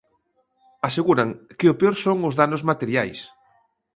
Aseguran que o peor son os danos materiais.